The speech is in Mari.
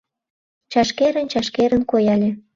Чашкерын-чашкерын кояле.